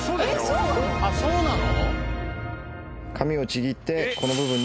あっそうなの？